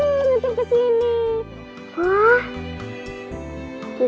nih nih nih nih mungkin kesini